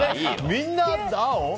みんな青？